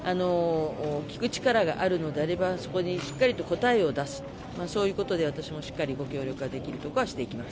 聞く力があるのだれば、そこにしっかり答えを出すそういうことで私もしっかり御協力できるところはしていきます。